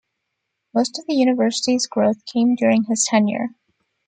Most of the university's growth came during his tenure.